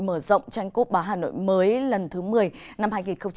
mở rộng tranh cúp bà hà nội mới lần thứ một mươi năm hai nghìn hai mươi ba